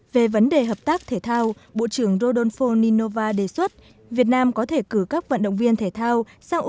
về vấn đề hợp tác thể thao bộ trưởng rodolfo ninova đề xuất việt nam có thể cử các vận động viên thể thao sang uruguay để đón